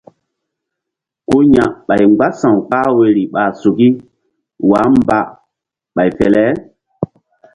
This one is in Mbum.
Ku ya̧ ɓay mgbása̧w kpah woyri ɓa suki wah mba ɓay fe le.